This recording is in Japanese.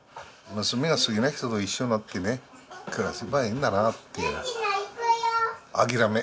娘が好きな人と一緒になってね暮らせばいいんだなって諦め。